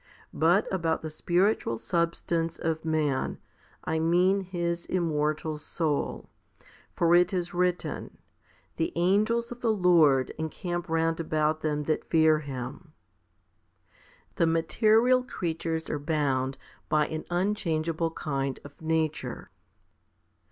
but about the spiritual substance of man, I mean his immortal soul. For it is written, The angels of the Lord encamp round about them that fear Him* The material creatures are bound by an unchangeable kind of nature.